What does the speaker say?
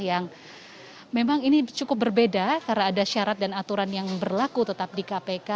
yang memang ini cukup berbeda karena ada syarat dan aturan yang berlaku tetap di kpk